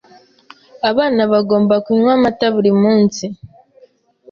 Abana bagomba kunywa amata buri munsi.